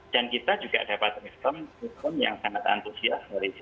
dan kita juga dapat respon yang sangat antusias dari mereka